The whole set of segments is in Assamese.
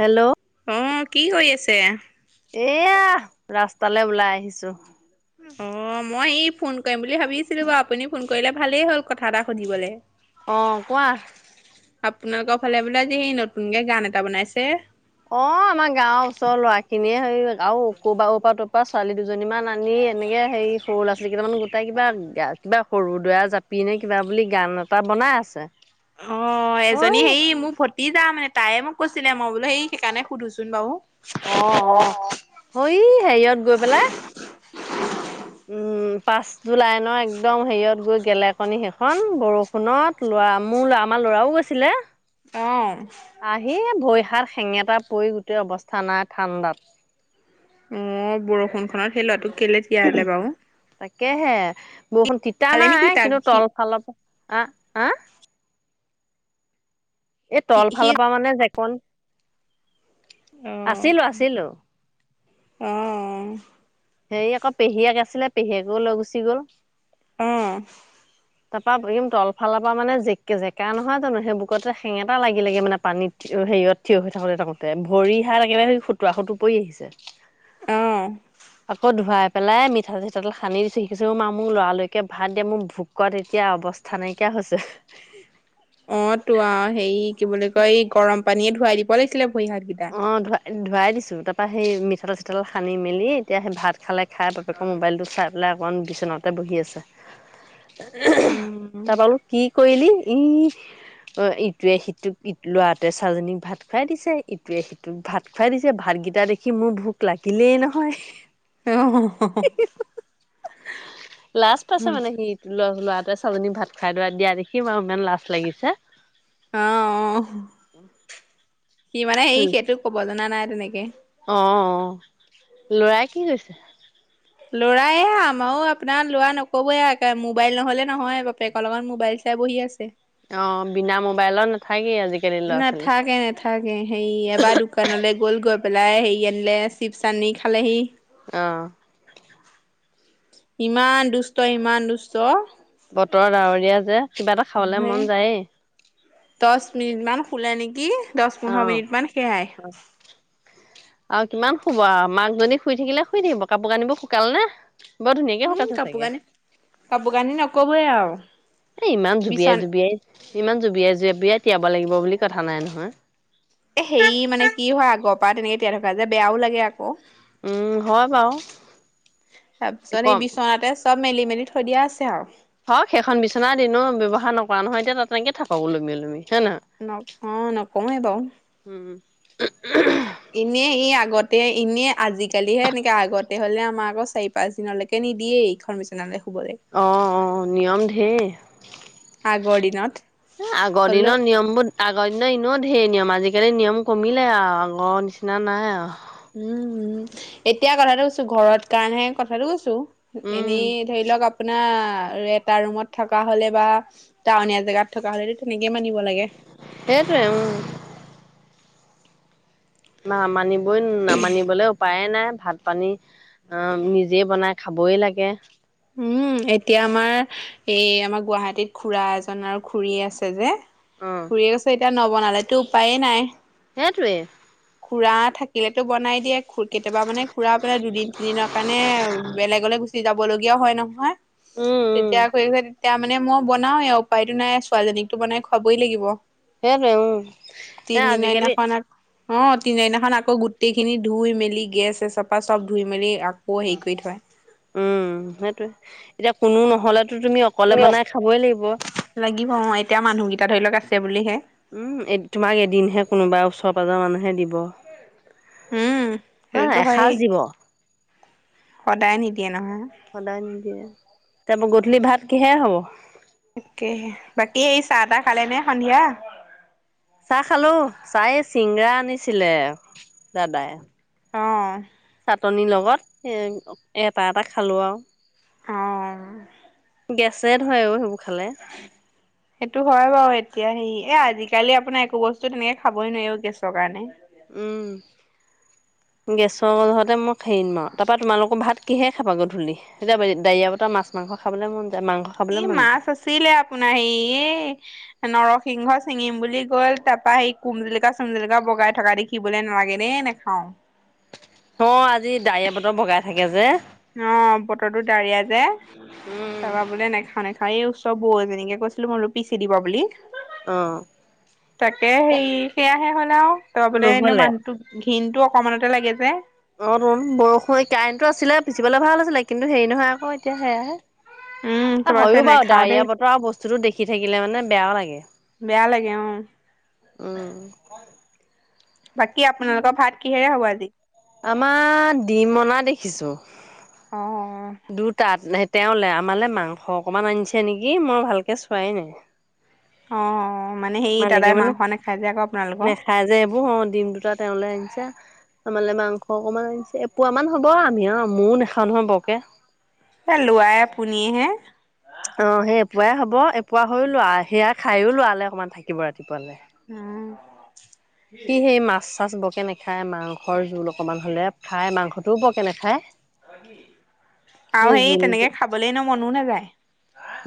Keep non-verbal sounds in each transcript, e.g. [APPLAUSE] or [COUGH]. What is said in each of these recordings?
হেল্ল', অ কি কৰি আছে? এয়া ৰাস্তালে ওলাই আহিছো। অ মই এই ফোন কৰিম বুলি ভাবিছিলোঁ বাৰু আপুনি ফোন কৰিলে ভালেই হ'ল কথা এটা সুধিবলে। অ কোৱা। আপোনালোকৰ ফালে বোলে আজি হেই নতুনকে গান এটা বনাইছে? অ আমাৰ গাঁৱৰ ওচৰ লৰাখিনিয়ে আৰু ক'ৰবা অৰপা তৰপা ছোৱালী দু দুজনী মান আনি এনেকে হেৰি সৰু ল'ৰা- ছোৱালী কেইটামান গোটাই কিবা গা কিবা সৰু দয়া জাপি পিনে কিবা বুলি গান এটা বনাই আছে। অ এজনী হয় হেৰি মোৰ ভতিজা মানে তাইয়ে মোক কৈছিলে মই বোলো সেই সেইকাৰণে সুধোচোন বাৰু। অ অ হই হেৰিয়ত গৈ পেলাই উম পাঁচ জুলাই ন' একদম হেৰিয়ত গৈ গেলেকণী হেইখন বৰষুণত। তো ল'ৰা মোৰ লৰা আমাৰ ল'ৰাও গৈছিলে। কাৰ? হে ভৰি হাত শেঙেটা পৰি গোটেই অৱস্থা নাই ঠাণ্ডাত। অ' বৰষুণখনত সেই লৱাটোক কেলে তিয়ালে বাৰু। তাকেহে বৰষুণ তিতা পালে নেকি নাই তাক কিন্তু সি তল ফাল প আ', আ' এ সি তল সি ফালৰ পৰা মানে জেকন অ', আছিলোঁ, আছিলোঁ। অ' হেৰি আকৌ পেহীয়েক আছিলে পেহীয়েকো লৈ গুচি গ'ল। অ' [INAUDIBLE] তাপা এইকেইদিন তলফালৰ পৰা মানে জেকে জেকা নহয় জানো সেই বুকতে সেঙেতা লাগি লেগে মানে পানীত। হেৰিয়ত থিয় হৈ থাকোতে থাকোতে ভৰি হাত একেবাৰে সেই সুতুৰা সুতুৰ পৰি আহিছে। অ' আকৌ ধুৱাই পেলাই মিঠাতেল চিঠাতেল সানি দিছো। সি কৈছে অ' মা মোক লৰা-লৰিকে ভাত দে মোৰ ভোক ভোকত এতিয়া অৱস্থা নাইকিয়া হৈছে। অ'তো আ হেৰি কি বুলি কয় এই গৰম পানীয়ে ধোৱাই দিব লাগিছিলে ভৰি হাতগিটা। অ' ধু-ধুৱাই দিছোঁ তাৰপা সেই মিঠাতেল চিঠাতেল সানি মেলি এতিয়াহে ভাত খালে খাই বাপেক মোবাইলটো চাই পেলাই অকণমান বিচনাতে বহি আছে। উম, তাৰপা বোলো কি কৰিলি ই অ', ইটোৱে সিটোক ই ল'ৰাটোৱে ছোৱালীজনীক ভাত খুৱাই দিছে ই ইটোৱে সিটোক ভাত খুৱাই দিছে। ভাতগিটা দেখি মোৰ ভোক লাগিলেই নহয়। [UNINTELLIGIBLE] লাজ অ পাইছে মানে সি ল'ৰাটোৱে ছোৱালীজনীক ভাত খাই দৰা দিয়া দেখি আৰু ইমান লাজ লাগিছে। অ' অ' সি মানে সেই সেইটো ক'ব জনা নাই তেনেকে। অ' অ', ল'ৰাই কি কৈছে? ল'ৰা এয়া আমাৰো আপোনাৰ ল'ৰা নকবই আ। মোবাইল নহ'লে নহয় বাপেকৰ লগত মোবাইল চা এতিয়া বহি আছে। অ' বিনা মোবাইলত নাথাকেই আজিকালি ল'ৰা-ছোৱালী। তাকে হেৰি এবাৰ দোকানলে গ'ল, গৈ পেলাই হেৰি আনিলে চিপছ আনি খালেহি। অ' ইমান দুষ্ট, ইমান দুষ্ট। বতৰ ডাৱৰীয়া যে কিবা এটা খাবলে মন যায়ে। দষ মিনিট মান শুলে নেকি? দশ, অ', পোন্ধৰ মিনিট মান সেয়াই। আৰু কিমান শুব আ মাকজনী শুই থাকিলে শুই থাকিব। কাপোৰ কানিবোৰ শুকালে নে? বৰ ধুনীয়াকে উম শুকাইছে কাপোৰ চাগে কানি, কাপোৰ কানি নকবই আউ। এ ইমান জুবিয়াই জুবিয়াই, ইমান জুবিয়াই জুবিয়াই তিয়াব লাগিব বুলি কথা নাই নহয়। এ হেৰি মানে কি হয় আগৰ পৰা তেনেকে তিয়াই থকা যে বেয়াও লাগে আক'। উম, হয় বাৰু তাৰপিছত এই কম বিছ বিছনাতে চব মেলি-মেলি থৈ দিয়া আছে আউ। সেইখন বিছনা এনেও ব্যৱহাৰ নকৰা নহয়। এতিয়া তাতে তেনেকে থাকক ওলমি ওলমি হয় নহয়? অ' নকও এ বাউ। উম এনেই ই আগতে এনেই আজিকালিহে এনেকে আগতে হ'লে, আমাৰ আকৌ চাৰি পাঁচ দিনলৈকে নিদিয়ে ইখন বিচনালে শুবলে। অ' অ', নিয়ম ধেৰ। আগৰ দিনত। এ' আগৰ হ'লেও দিনৰ নিয়মবোৰ - আগৰ দিনত এনেও ধেৰ নিয়ম। আজিকালি নিয়ম কমিলে আৰু, আগৰ নিচিনা নাই আৰু। উম উম', এতিয়া কথাটো কৈছোঁ, ঘৰত কাৰণেহে, কথাটো কৈছোঁ। উম, এনেই ধৰি লওক আপোনাৰ, এটা ৰুমত - থকা হ'লে বা, টাউনিয়া জেগাত থকা হ'লেটো তেনেকে মানিব লাগে। সেইটোৱে, উম'। মা-মানিবই নামানিবলৈ উপায়ে নাই, ভাত-পানী - অ', নিজে বনাই খাবই লাগে। উম', এতিয়া আমাৰ এই আমাৰ গুৱাহাটীত খুৰা এজন আৰু খুৰী আছে যে। অ খুৰীয়ে আছে এতিয়া, নবনালেতো উপায়ে নাই। সেইটোৱে। খুৰা থাকিলেতো বনাই দিয়ে। খু, কেতিয়াবা মানে খুৰা মানে দুদিন-তিনিদিনৰ কাৰণে বেলেগলৈ গুচি যাব লগিয়াও হয় নহয়। উম। উম তেতিয়া আকৌ, [UNINTELLIGIBLE] তেতিয়া মানে মই বনাওঁৱেই, উপায়টো নাই। ছোৱালীজনীকতো বনাই খুৱাবই লাগিব। সেইটোৱে উম'। এ' আজিকালি - অহ, তিনে দিনাখন আকৌ গোটেইখিনি ধুই-মেলি গেছ-চেছ, চফা চব ধুই-মেলি আক - কৌ হেৰি উম কৰি থয়। উম', সেইটোৱে। এতিয়া কোনো নহ'লেতো তুমি অকলে বনাই খাবই লাগিব। লাগিব অহ, এতিয়া মানুহকেইটা ধৰি লওক আছে বুলিহে। উম' এ', তোমাক এদিনহে কোনোবা ওচৰ পাজৰ মানুহে দিব। উম' হয় নাই সেইটোতো হয়েই। এসাঁজ দিব সদায় নিদিয়ে নহয়। সদায় নিদিয়ে। তাৰপা গধূলি ভাত কিহে হ'ব? তাকে। বাকী, এই চাহ-তাহ খালে নে সন্ধিয়া? চাহ খালোঁ। চাহ এই, চিঙৰা আনিছিলে দাদাই। অহ'। চাটনি লগত। এ', এটা এটা খালোঁ আৰু। অহ। গেছে ধৰিব সেইবোৰ খালে। সেইটো হয় বাৰু। এতিয়া সেই, এ' আজিকালি আপোনাৰ একো বস্তু তেনেকে খাবই নোৱাৰি অ' গেছৰ কাৰণে। উম, গেছৰ লগতে মই খাইদিম আৰু। তাৰপৰা তোমালোকৰ ভাত - কিহে খাবা গধূলি? এতিয়া বা', ডা-ডাৱৰীয়া বতৰ, মাছ মাংস খাবলৈ মন যায়। মাংস - ই' মাছ আছিলে আপোনৰ সেই, এ' - নৰসিংহ চিঙিম বুলি গ'ল। তাৰপা সি কুমজেলুকা-চুমজেলুকা বগাই থকা দে - খিবলে নোৱাৰে, দে, নেখাওঁ। অ', আজি ডাৱৰীয়া বতৰ। বগাই থাকে যে। অহ, বতৰটো ডাৱৰীয়া যে। তাৰপা বোলে নাখাওঁ নাখাওঁ। এই ওচৰ বৌ এজনীকে কৈছিলোঁ মই বোলোঁ, পিচি দিবা বুলি। অহ। তাকে সেই, সেয়াহে হ'ল আৰু। ত', বোলে এনেও নহ'লে মানুহটো - ঘিনটো অকণমানতে লাগে যে। অ' তুন। বৰষুণ, এই কাৰেণ্টটো আছিলে পিচিবলে ভাল আছিলে। কিন্তু হেৰি নহয় আকৌ, এতিয়া সেয়াহে। উম এ' তাৰপাছত হয়ো বাৰু। নেখাও দেই ডাৱৰীয়া বতৰ, আৰু বস্তুতো দেখি থাকিলে মানে বেয়াও লাগে। বেয়া লাগে অঁ'। উমঁ। বাকী' আপোনালোকৰ ভাত কিহেৰে হ'ব আজি? আমা ডিম অনা দেখিছোঁ। অঁহ'। দুটাত তেওঁলে, আমালে মাংস অকণমান আনিছে নেকি মই ভালকে চোৱাই নাই। অ অ মানে হেৰি দাদাই মালিকে মানে মাংস নাখায় যে আকৌ আপোনালোকৰ। নেখায় যে এইবোৰ অঁ' ডিম দুটাত- তেওঁলে আনিছে। আমালে মাংস অকণমান আনিছে, এপোৱা মান হ'ব আমিও মও নেখাওঁ নহয় বৰকে। এ' ল'ৰাই আপুনিয়ে'হে। অঁ', সেই এপোৱাই হ'ব, এপোৱা হৈও ল'ৰা সেয়া খাইয়ো ল'ৰালে অকণমান- ৰাতিপুৱালে। উম সি সেই মাছ-চাছ বৰকে নাখায় মাং- খৰ জোল অকণমান হ'লে খায় মাংসটোও বৰকে নেখায়। আৰু সেই জোলটো তেনেকে খাবলৈ নো মনো নাযায়।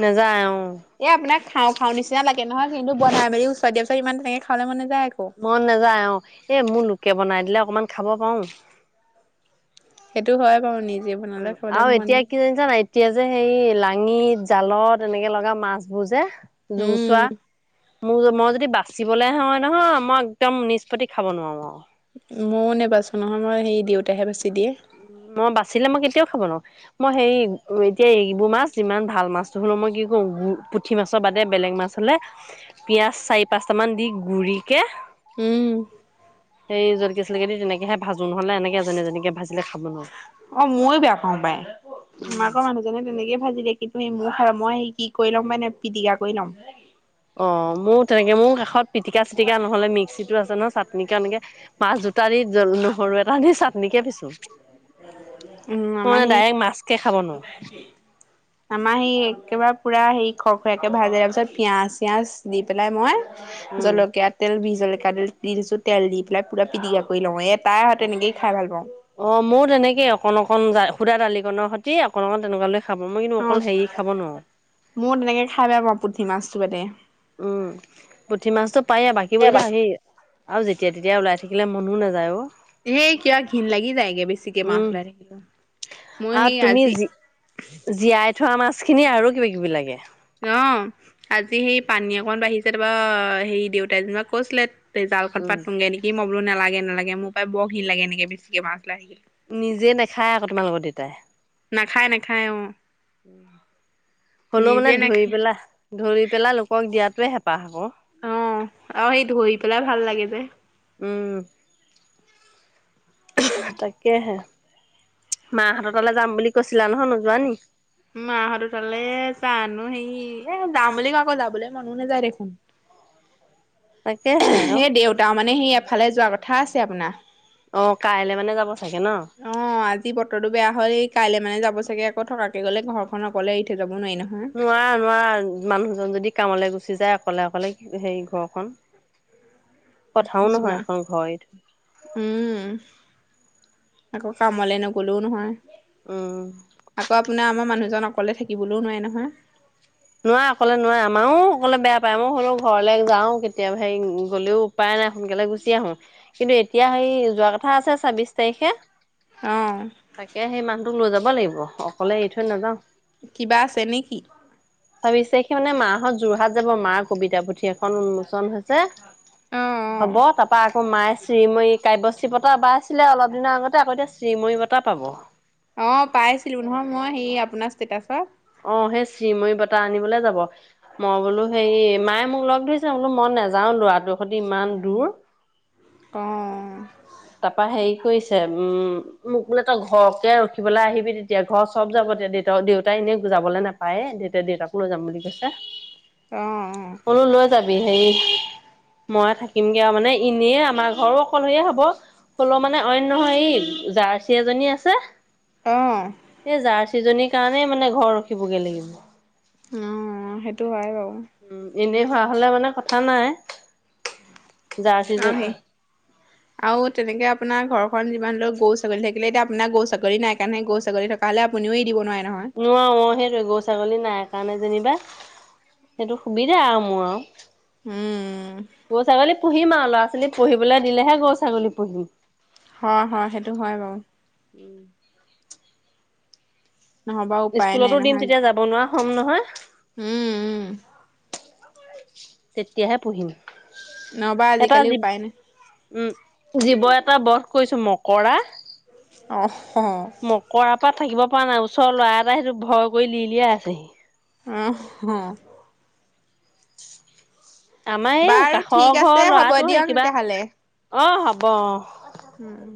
নেযায় অঁ',। এ' আপোনাক খাওঁ-খাওঁ নিচিনা লাগে নহয় কিন্তু বনাই মেলি ওচৰত দিয়া পিছত ইমান তেনেকে খাব মন নাযায় আক'। মন নাযায় অঁ', এই মোৰ লোকে বনাই দিলে অকণমান খাব পাৰো। সেইটো হয় বাৰু, নি উম, আৰু এতিয়া কি জানিছা নাই- এতিয়া যে সেই লাঙিত, জালত, এনেকে লগা মাছবোৰ যে- জুচোৱা। উম মোৰ মই যদি বাচিবলৈ হয় নহয় মই একদম নিষ্পত্তি খাব নোৱাৰো আও। মইও নেবাচো নহয় মই সেই দেউতাহে বাচি দিয়ে। মই বাচিলে মই কেতিয়াও খাব নোৱাৰো। মই সেই এতিয়া এইবোৰ মাছ যিমান ভাল মাছটো হ'লো মই কি কৰো- পুঠি মাছৰ বাদে বেলেগ মাছ হ'লে পিঁয়াজ চাৰি-পাঁচটামান দি গুৰিকে- উম'। সেই জলকীয়া-চলকীয়া দি তেনেকেহে ভাজো নহ'লে এনেকে এজনী-এজনীকে ভাজিলে খাব নোৱাৰো। অঁ', মইও বেয়া পাওঁ পাই। উম। [UNINTELLIGIBLE] যেনেকে-তেনেকে ভাজি দিয়ে কিন্তু সেই মই সেই কি কৰি ল'ম মানে পিটিকা কৰি ল'ম। অ', মোৰ তেনেকে মোৰ কাষত পিটিকা-চিটিকা নহ'লে মিক্সিতো আছে নহয় চাট- নি কণ এনেকে মাছ দুটা দি জল নহৰু এটা দি চাটনিকে পিছো। উম আমাৰ ম‌ই সেই ডাইৰেক্ট মাছকে খাব নোৱাৰো। আমাৰ সেই একেবাৰে পুৰা সেই খৰখৰিয়াকে ভাজে তাৰপিছত পিয়াজ-চিয়াজ দি পেলাই মই- উম, জলকীয়া তেল, বিজলকীয়া তেল দি দিছো তেল দি পেলাই পুৰা পিটিকা কৰি লওঁ এত তাইহঁতে এনেকেইে খাই ভাল পাওঁ। অঁ', মোৰ তেনেকে অকণ-অকণ যাই সোদা দালিকনৰ সৈতে অকণ-অকণ তেনেকুৱা লৈ খাব মই কিন্তু অকল হেৰি খাব নোৱাৰো। মও তেনেকে খাই বেয়া পাওঁ পুঠি মাছটো বাদে। উমঁ, পুঠি মাছটো পায়ে বাকীবোৰ এতিয়া হেৰি- আৰু যেতিয়া-তেতিয়া ওলাই থাকিলে মনো নাযায় অ'। সেই কিবা ঘিন লাগি যায় গে বেছিকে মাছ উম ওলাই থাকিলে। মই আৰু সেই তুমি আজি জি জীয়াই থোৱা মাছখিনি আৰু কিবা-কিবি লাগে। অঁ', আজি সেই পানী অকণমান বাঢ়িছে তাৰপা হেৰি দেউতাই যেনিবা কৈছিলে তে জালখন উম পাতোগে নেকি মই বোলো নালাগে নালাগে মোৰ পায় বৰ ঘিন লাগে এনেকে বেছিকে মাছ ওলাই থাকিলে। নিজে নাখায় আকৌ তোমালোকৰ দেতাই। নাখায় নাখায় অ'। হলেও মানে নিজে ধৰি নাখায়। পেলা ধৰি পেলা লোকক দিয়াতোৱে হেঁপাহ আক'। অ' আৰু সেই ধৰি পেলাই ভাল লাগে যে। উম তাকে! কেহে! মা'হত তালে যাম বুলি কৈছিলা নহয়। নোযোৱা নি? মাহঁতৰ তালে জানো হেৰি এ যাম বুলি ভাবো, আকৌ যাবলৈ মনো নাযায় দেখোন। [INAUDIBLE] তাকেহে দেউতা মানে হেৰী এফালে যোৱা কথা আছে আপোনাৰ। অ' কাইলে মানে যাব চাগে ন? অ' আজি বতৰটো বেয়া হ'য় কাইলৈ মানে যাব চাগে আকৌ থকাকে গলে ঘৰখন অকলে এৰি থৈ যাব নোৱাৰি নহয়। নোৱাৰা নোৱাৰা, মানুহজন যদি কামলৈ গুচি যায় অকলে অকলে হেৰি ঘৰখন কথাও নহয় যিমান এখন ঘৰ এৰি থৈ উম আকৌ কামলে নগলেও নহয়। উম আকৌ আপোনাৰ আমাৰ মানুহজন অকলে থাকিবলৈও নোৱাৰে নহয়। নোৱাৰে অকলে নোৱাৰে, আমাৰো অকলে বেয়া পায় মই হলেও ঘৰলে যাও কেতিয়াবা হেৰি গ'লেও উপায় নাই, সোনকালে গুচি আহো। কিন্তু এতিয়া সেই যোৱা কথা আছে ছাব্বিশ তাৰিখে। অ'। তাকে সেই মানুহটোক লৈ যাব লাগিব, অকলে এৰি থৈ নাযাওঁ। কিবা আছে নেকি? ভাবিছে সি মানে মাহঁত যোৰহাট যাব মাৰ কবিতা পুথি এখন উন্মোচন হৈছে। অ [INAUDIBLE] হ'ব তাৰপৰা আকৌ মায়ে শ্ৰীময়ী কাব্যশ্ৰী বটা পাইছিলে অলপ দিনৰ আগতে আকৌ এতিয়া শ্ৰীময়ী বটা পাব। অ' পাইছিলো নহয়, মই সেই আপোনাৰ ষ্টেটাচত। অ' সেই শ্ৰীময়ী বটা আনিবলে যাব। মই বোলো হেৰি মায়ে মোক লগ ধৰিছে বোলো, মই নেযাও ল'ৰাটোৰ সৈতে ইমান দূৰ। অ'। তাৰপা হেৰি কৰিছে উম মোক বোলে তই ঘৰকে ৰখিবলৈ আহিবি তেতিয়া ঘৰত চব যাব তেতিয়া দেউতা দেউতাই এনেই যাবলে নাপা পায়ে দেউতা-দেউতাকো লৈ যাম বুলি কৈছে। অ', কলো লৈ যাবি হেৰি মই থাকিমগে আৰু মানে এনেই আমাৰ ঘৰো অকলশৰীয়ে হ'ব। হ'লেও মানে অইন নহয় এই জাৰ্চি এজনী আছে। অ', সেই জাৰ্চ সিজনীৰ কাৰণেই মানে ঘৰ ৰখিবগে লাগিব। উম সেইটো হয় বাৰু। উম, এনেই হোৱা হলে মানে কথা নাই। অ' জাৰ্চি সেই [INAUDIBLE] আৰু তেনেকে আপোনাৰ ঘৰখন যিমান হলেওঁ গৰু-ছাগলী থাকিলে এতিয়া আপোনাৰ গৰু-ছাগলী নাই কাৰণেহে গৰু-ছাগলী থাক থকা হলে আপুনিও এৰি দিব নোৱাৰে নহয়। নোৱাৰো অ' সেইটোৱে গৰু-ছাগলী নাই কাৰণে যেনিবা সেইটো সুবিধা আৰু মোৰ আও। উম। গৰু-ছাগলী পুহিম আৰু ল'ৰা-ছোৱালী পুহিবলৈ দিলেহে গৰু ছাগলী পুহিম। হয় হয়, সেইটো হয় বাৰু। নহ'বা উপায় নাই স্কুলতো দিম, তেতিয়া যাব নোৱাৰা হ'ম নহয়। উম্, উম্। তেতিয়াহে পুহিম। নহ'বা আজিকালি উপায় নাই। উম্, জীৱ এটা বধ কৰিছোঁ মকৰা। অ', মকৰাৰ পৰা থাকিব পৰা নাই, ওচৰৰ ল'ৰা এটাই সেইটো ভয় কৰি, ল উলিয়াই আছেহি। অ'। আমাৰ এই বাৰু কাষৰ ঠিক আছে ঘৰৰ হ'ব ল'ৰাটো, দিয়ক সেই কিবা তেতিয়াহ'লে। অ', হ'ব অ'। উম্।